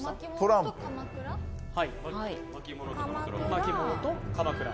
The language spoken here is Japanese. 巻物とかまくら？